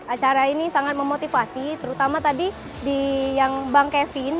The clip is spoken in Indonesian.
acara ini sangat memotivasi terutama tadi di yang bang kevin